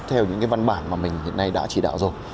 theo những cái văn bản mà mình hiện nay đã chỉ đạo rồi